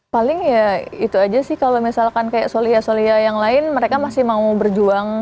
paling ya itu aja sih kalau misalkan kayak solia solia yang lain mereka masih mau berjuang